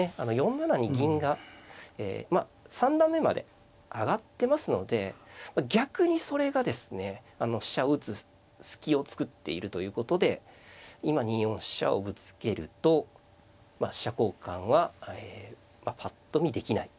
４七に銀が三段目まで上がってますので逆にそれがですね飛車を打つ隙を作っているということで今２四飛車をぶつけると飛車交換はぱっと見できない。